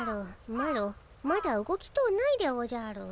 マロまだ動きとうないでおじゃる。